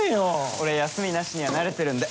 俺休みなしには慣れてるんで。